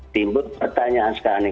timbul pertanyaan sekarang ini